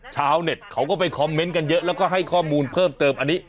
ชาวเน็ตเขาก็ไปคอมเมนต์กันเยอะแล้วก็ให้ข้อมูลเพิ่มเติมอันนี้